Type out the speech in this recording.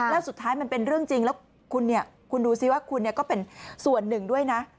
แล้วสุดท้ายมันเป็นเรื่องจริงแล้วคุณดูซิว่าคุณก็เป็นส่วนหนึ่งด้วยนะ